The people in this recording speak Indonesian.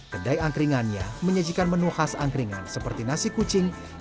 kedai angkringannya menyajikan menu khas angkringan seperti nasi kucing yang dimasukkan ke jepang